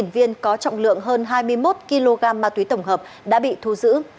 hai trăm hai mươi tám viên có trọng lượng hơn hai mươi một kg ma túy tổng hợp đã bị thu giữ